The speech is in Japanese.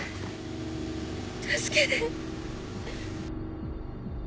助けて